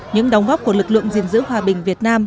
những đóng góp của lực lượng diên dữ hòa bình việt nam